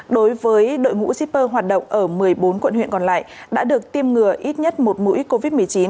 đối với đội ngũ shipper hoạt động ở một mươi bốn quận huyện còn lại đã được tiêm ngừa ít nhất một mũi covid một mươi chín